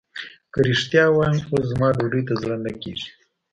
که رښتيا ووايم اوس زما ډوډۍ ته زړه نه کېږي.